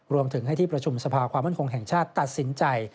รวมถึงให้ที่ประชุมสภาความมั่นคงแห่งชาติตัดสินใจ